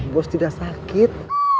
bos tidak sakit